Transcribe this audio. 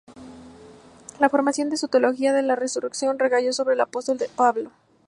La formación de una teología de la resurrección recayó sobre el apóstol Pablo.